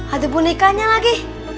ada bonekanya lagi